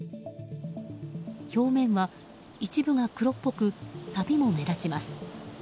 表面は一部が黒っぽくさびも目立ちます。